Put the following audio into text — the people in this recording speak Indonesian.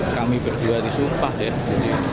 kami berdua disumpah ya